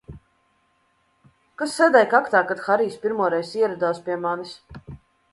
Kas sēdēja kaktā, kad Harijs pirmoreiz ieradās pie manis?